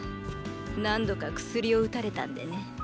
何度か薬を打たれたんでね。